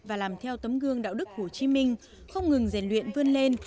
và làm theo tấm gương đạo đức hồ chí minh không ngừng rèn luyện vươn lên